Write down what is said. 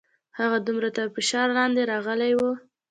هغه دومره تر فشار لاندې راغلې وه.